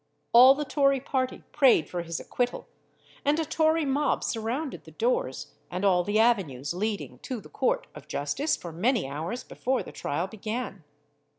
All the Tory party prayed for his acquittal, and a Tory mob surrounded the doors and all the avenues leading to the court of justice for many hours before the trial began.